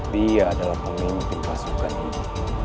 dia adalah pemimpin pasukan ini